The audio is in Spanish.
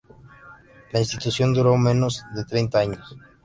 La institución duró menos de treinta años.